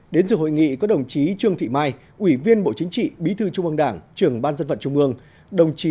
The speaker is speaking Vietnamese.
đến dự hội nghị có đồng chí trương thị mai ủy viên bộ chính trị bí thư trung ương đảng trưởng ban dân vận trung ương